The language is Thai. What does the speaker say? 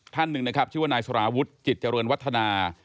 ท่านหนึ่งนะครับชื่อว่านายสารวุฒิจิตเจริญวัฒนา